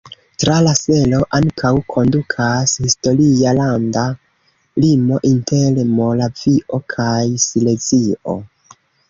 Tra la selo ankaŭ kondukas historia landa limo inter Moravio kaj Silezio.